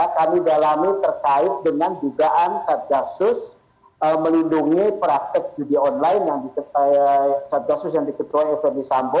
kami dialami terkait dengan jugaan satgasus melindungi praktek judi online yang diketuai satgasus yang diketuai smi sampo